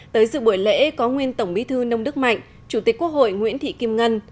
tới dự buổi lễ có nguyên tổng bí thư nông đức mạnh chủ tịch quốc hội nguyễn thị kim ngân